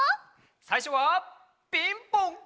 さいしょは「ピンポン」！